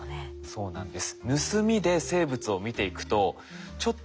そうなんです。